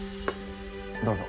どうぞ。